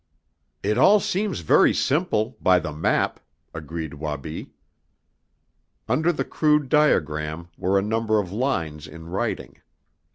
"It all seems very simple by the map," agreed Wabi. Under the crude diagram were a number of lines in writing.